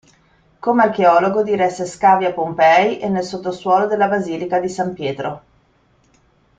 Come archeologo diresse scavi a Pompei e nel sottosuolo della Basilica di San Pietro.